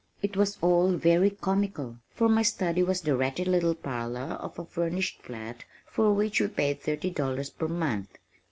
It was all very comical for my study was the ratty little parlor of a furnished flat for which we paid thirty dollars per month.